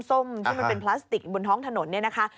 ส้มที่มันเป็นพลาสติกอยู่บนท้องถนนเนี่ยนะคะ